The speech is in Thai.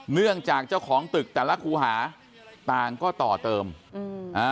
เนื่องจากเจ้าของตึกแต่ละคู่หาต่างก็ต่อเติมอืมอ่า